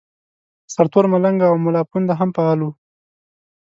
سرتور ملنګ او ملاپوونده هم فعال وو.